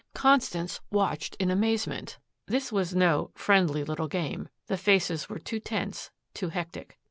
Constance watched in amazement. This was no "friendly little game." The faces were too tense, too hectic.